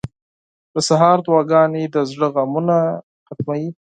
• د سهار دعاګانې د زړه غمونه ختموي.